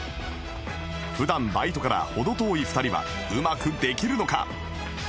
普段バイトから程遠い２人はうまくできるのか？